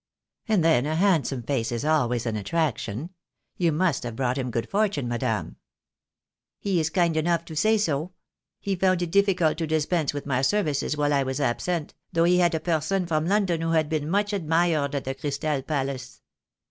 "And then, a handsome face is always an attraction. You must have brought him good fortune, madame." "He is kind enough to say so. He found it difficult to dispense with my services while I was absent, though he had a person from London who had been much ad mired at the Crystal Palace."